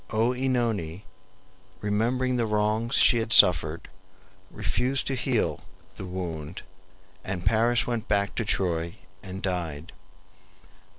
OEnone, remembering the wrongs she had suffered, refused to heal the wound, and Paris went back to Troy and died.